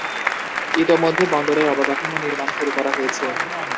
ইতোমধ্যে বন্দরের অবকাঠামো নির্মাণ শুরু করা হয়েছে।